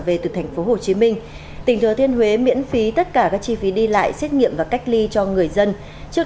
về từ tp hcm tp hcm miễn phí tất cả các chi phí đi lại xét nghiệm và cách ly cho người dân trước